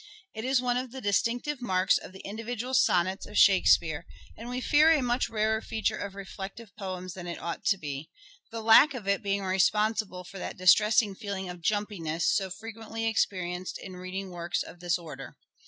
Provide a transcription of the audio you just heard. It is one of the distinctive marks of the individual sonnets of Shakespeare and we fear a much rarer feature of reflective poems than it ought to be ; the lack of it being responsible for that dis tressing feeling of " jumpiness " so frequently ex perienced in reading works of this order.